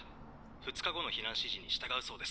２日後の避難指示に従うそうです」。